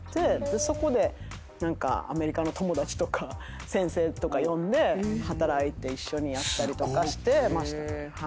そこで何かアメリカの友達とか先生とか呼んで働いて一緒にやったりしてました。